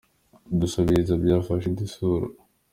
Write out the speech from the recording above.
Gusabiriza byafashe indi sura